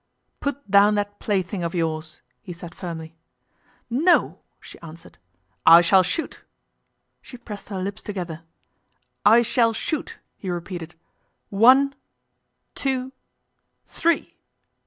'Put down that plaything of yours,' he said firmly. 'No,' she answered. 'I shall shoot.' She pressed her lips together. 'I shall shoot,' he repeated. 'One two three.